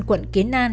quận kiến an